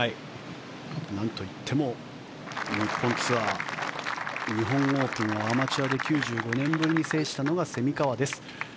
なんといっても日本ツアー日本オープンをアマチュアで９５年ぶりに制したのが蝉川です。